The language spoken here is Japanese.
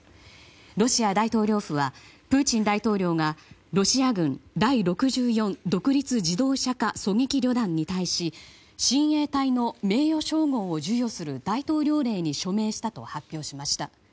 ロシア大統領府はプーチン大統領がロシア軍第６４独立自動車化狙撃旅団に対し親衛隊の名誉称号を授与する大統領令に署名したと発表しました。